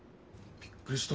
びっくりした。